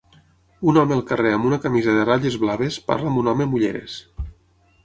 Un home al carrer amb una camisa de ratlles blaves parla amb un home amb ulleres.